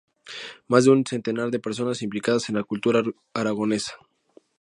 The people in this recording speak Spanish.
Más de un centenar de personas implicadas en la cultura aragonesa.